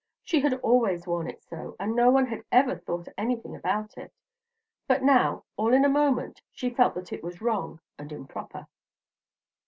She had always worn it so, and no one had ever thought anything about it; but now, all in a moment, she felt that it was wrong and improper.